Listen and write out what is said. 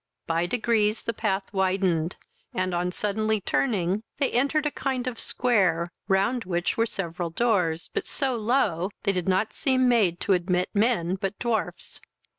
By degrees the path widened, and, on suddenly turning, they entered a kind of square, round which were several doors, but so low, they did not seem made to admit men but dwarfs.